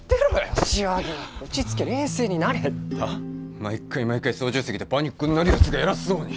毎回毎回操縦席でパニックになるやつが偉そうに。